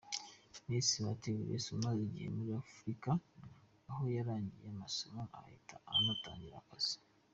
Miss Bahati Grace amaze igihe muri Amerika, aho yarangije amasomo agahita anatangira akazi.